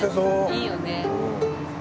いいよね。